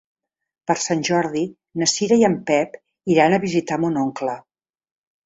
Per Sant Jordi na Cira i en Pep iran a visitar mon oncle.